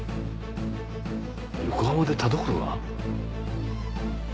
横浜で田所が？